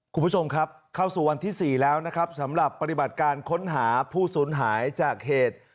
คุณผู้ชมครับเข้าสู่วันที่๔แล้วนะครับสำหรับปฏิบัติการค้นหาผู้สูญหายจากเหตุ